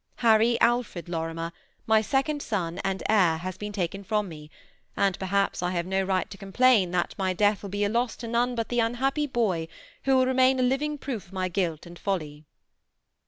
Harry Alfred Lorimer, my second son and heir, has been taken from me, and perhaps I have no right to complain that my death will be a loss to none but the unhappy boy who will remain a living proof of my. guilt and folly."